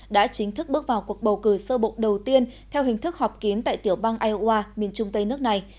đã chính thức bước vào cuộc bầu cử sơ bộ đầu tiên theo hình thức họp kín tại tiểu bang iowa miền trung tây nước này